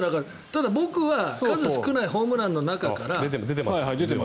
ただ、僕は数少ないホームランの中から。